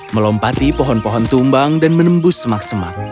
melompati pohon pohon tumbang dan menembus semak semak